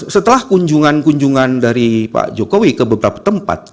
setelah kunjungan kunjungan dari pak jokowi ke beberapa tempat